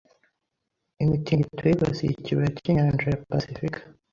imitingito yibasiye ikibaya cy'inyanja ya pasifika